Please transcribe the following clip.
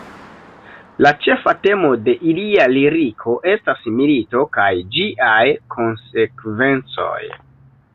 La ĉefa temo de ilia liriko estas milito kaj ĝiaj konsekvencoj.